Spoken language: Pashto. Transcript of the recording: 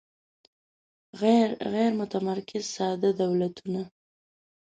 غیر متمرکز ساده دولتونه